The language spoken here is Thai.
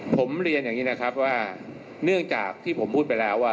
ผมเรียนอย่างนี้นะครับว่าเนื่องจากที่ผมพูดไปแล้วว่า